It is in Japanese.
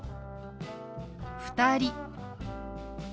「２人」。